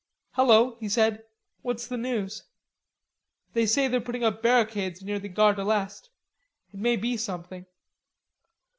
"Hello," he said. "What's the news?" "They say they're putting up barricades near the Gare de l'Est. It may be something."